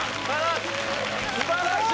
すばらしい！